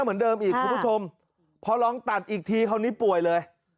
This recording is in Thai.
เหมือนเดิมอีกคุณผู้ชมพอลองตัดอีกทีคราวนี้ป่วยเลย